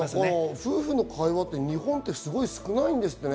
夫婦の会話って日本って少ないですってね。